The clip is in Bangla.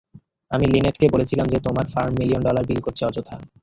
আমি লিনেটকে বলেছিলাম যে তোমার ফার্ম মিলিয়ন ডলার বিল করছে অযথা!